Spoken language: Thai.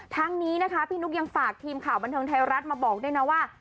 ทั้งนี้นะคะพี่นุ๊กยังฝากทีมข่าวบันเทิงไทยรัฐมาบอกด้วยนะว่า